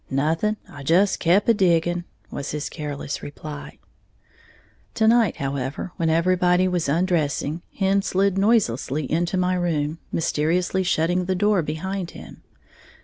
"Nothing, I just kep' a digging," was his careless reply. To night, however, when everybody was undressing, Hen slid noiselessly into my room, mysteriously shutting the door behind him.